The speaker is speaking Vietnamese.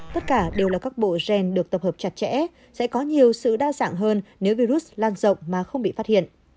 tất cả đều là các bộ gen được tập hợp chặt chẽ sẽ có nhiều sự đa dạng hơn nếu virus lan rộng mà không bị phát hiện